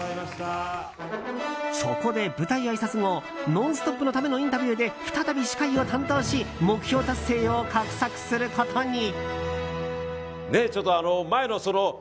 そこで舞台あいさつ後「ノンストップ！」のためのインタビューで再び司会を担当し目標達成を画策することに。